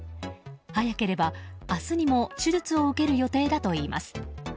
早ければ明日にも手術を受ける予定だといいます。